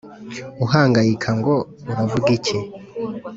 uhangayika ngo uravuga iki